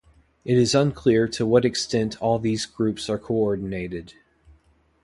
It is unclear to what extent all these groups are co-ordinated.